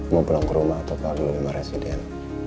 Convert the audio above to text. mau pulang ke rumah atau ke aglo lima residen